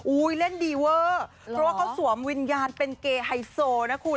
เล่นดีเวอร์เพราะว่าเขาสวมวิญญาณเป็นเกย์ไฮโซนะคุณ